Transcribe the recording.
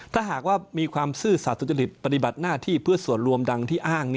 ถ้าหากว่ามีความซื่อสัตว์สุจริตปฏิบัติหน้าที่เพื่อส่วนรวมดังที่อ้าง